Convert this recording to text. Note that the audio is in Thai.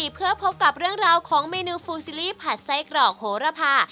เพื่อพบกับเรื่องราวของเมนูฟูซิลี่ผัดไส้กรอกโหระพา